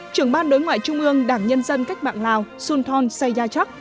trưởng ban đối ngoại trung ương đảng nhân dân cách mạng lào sun thon sayyachak